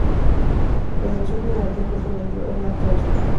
La dirección general del curso del río es de norte a sur.